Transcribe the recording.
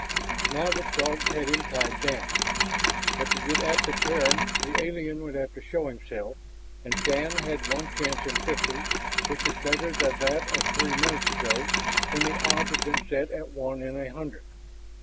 Now the Throg had him tied down. But to get at the Terran the alien would have to show himself, and Shann had one chance in fifty, which was better than that of three minutes ago when the odds had been set at one in a hundred.